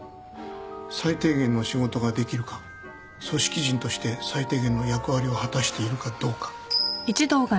最低限の仕事ができるか組織人として最低限の役割を果たしているかどうか。